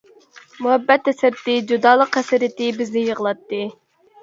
مۇھەببەت ھەسرىتى، جۇدالىق ھەسرىتى بىزنى يىغلاتتى.